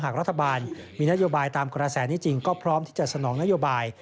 หากรัฐบาลมีนโยบายตามกระแสนี้จริงก็พร้อมที่จะสนองนโยบาย